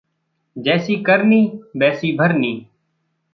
जैसी करनी वैसी भरनी।